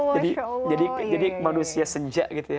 jadi manusia senja gitu ya